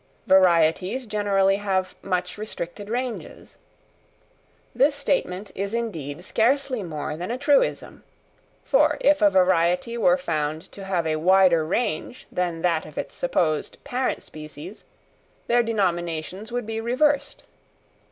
Varieties generally have much restricted ranges. This statement is indeed scarcely more than a truism, for if a variety were found to have a wider range than that of its supposed parent species, their denominations would be reversed.